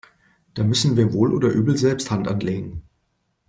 Da müssen wir wohl oder übel selbst Hand anlegen.